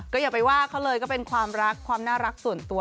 อย่าไปว่าเขาเลยก็เป็นความรักความน่ารักส่วนตัว